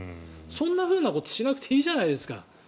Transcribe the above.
そんなふうなことしなくていいじゃないですか。